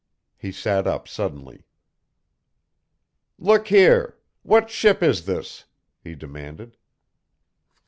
He sat up suddenly. "Look here! What ship is this?" he demanded.